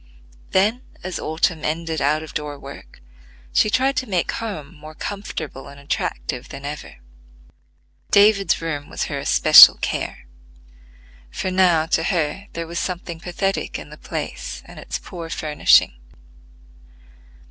Then, as autumn ended out of door work, she tried to make home more comfortable and attractive than ever. David's room was her especial care; for now to her there was something pathetic in the place and its poor furnishing.